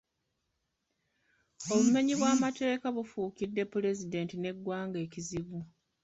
Obumenyi bw’amateeka bufuukidde Pulezidenti n’eggwanga ekizibu.